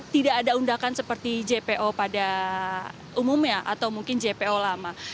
tidak ada undakan seperti jpo pada umumnya atau mungkin jpo lama